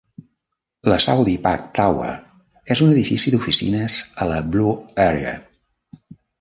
La Saudi Pak Tower és un edifici d"oficines a la Blue Area.